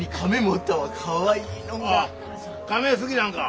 カメ好きなんか？